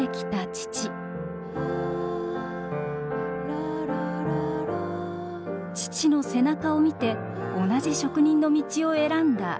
父の背中を見て同じ職人の道を選んだ娘。